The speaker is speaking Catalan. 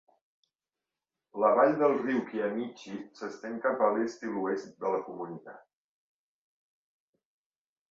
La vall del riu Kiamichi s'estén cap a l'est i l'oest de la comunitat.